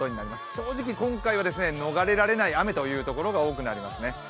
正直、今回は逃れられない雨というところがありそうですね。